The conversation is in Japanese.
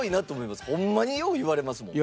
ホンマによう言われますもん。